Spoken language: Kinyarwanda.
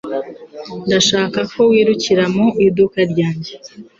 Ndashaka ko wirukira mu iduka ryanjye.